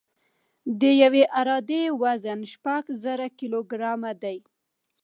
د یوې عرادې وزن شپږ زره کیلوګرام دی